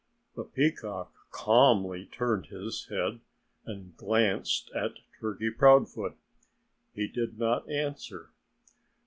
The peacock calmly turned his head and glanced at Turkey Proudfoot. He did not answer.